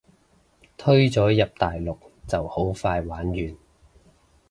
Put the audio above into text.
推咗入大陸就好快玩完